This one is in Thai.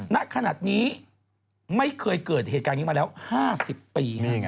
ณขนาดนี้ไม่เคยเกิดเหตุการณ์นี้มาแล้ว๕๐ปี